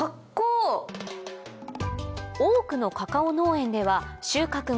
多くのカカオ農園では収穫後